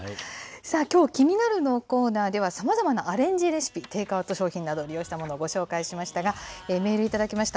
さあ、きょうキニナルのコーナーでは、さまざまなアレンジレシピ、テイクアウト商品などを利用したものをご紹介しましたが、メール頂きました。